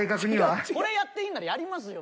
これやっていいならやりますよ